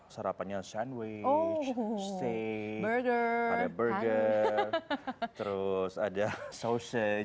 sarapannya sandwich steak ada burger terus ada sausage